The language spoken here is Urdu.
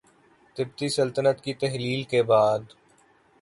تبتی سلطنت کی تحلیل کے بعد